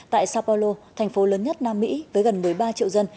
tại sao paulo thành phố lớn nhất nam mỹ với gần một mươi ba triệu dân